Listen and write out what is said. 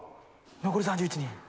残り３１人。